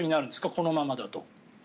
このままだと。